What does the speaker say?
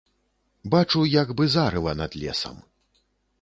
Бачу, як бы зарыва над лесам.